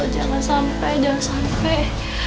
jangan sampai jangan sampai